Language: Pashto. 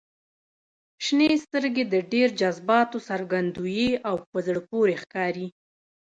• شنې سترګې د ډېر جذباتو څرګندوي او په زړه پورې ښکاري.